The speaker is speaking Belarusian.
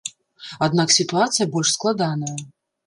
Аднак сітуацыя больш складаная.